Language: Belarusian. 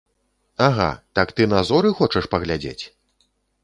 Ага, так ты на зоры хочаш паглядзець?